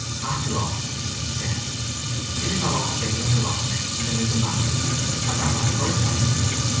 "After all," he said, "it is not altogether an erotolepsy that is the matter with me, as at that first time.